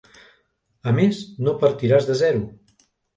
A més, no partiràs de zero.